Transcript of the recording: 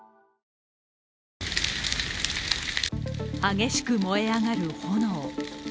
激しく燃え上がる炎。